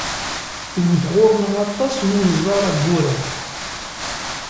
Iwet ɣer-neɣ aṭas n unẓar ayyur-a.